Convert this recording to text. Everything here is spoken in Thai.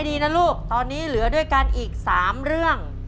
ฟังให้ดีนะลูกตอนนี้เหลือด้วยกันอีกสามเรื่อง